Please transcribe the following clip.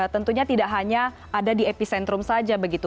tentunya tidak hanya ada di epicentrum saja begitu